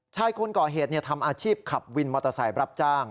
คนก่อเหตุทำอาชีพขับวินมอเตอร์ไซค์รับจ้าง